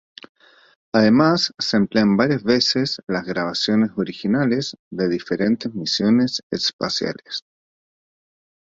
Además, se emplean varias veces las grabaciones originales de diferentes misiones espaciales.